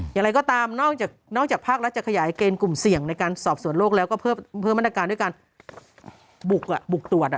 อย่างไรก็ตามนอกจากภาครัฐจะขยายเกณฑ์กลุ่มเสี่ยงในการสอบสวนโลกแล้วก็เพิ่มมาตรการด้วยการบุกตรวจ